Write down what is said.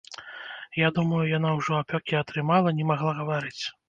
Я думаю, яна ўжо апёкі атрымала, не магла гаварыць.